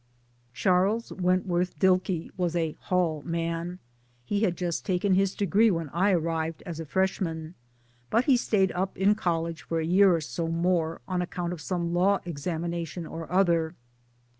Charles iWentworth Dilke was a ' Hall ' man. He had just taken his degree when I arrived as a ' freshman '; but he stayed up in College for a year or so more on account of some law examina tion or other.